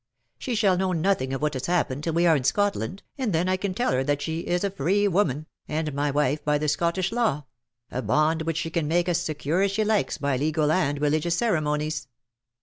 She shall know nothing of what has happened till we are in Scotland, and then I can tell her that she is a free woman, and my wife by the Scottish law, — a bond which she can make as secure as she likes by legal and religious ceremonies."